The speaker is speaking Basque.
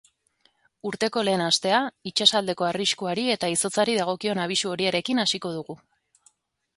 Urteko lehen astea, itsasaldeko arriskuari eta izotzari dagokion abisu horiarekin hasiko dugu.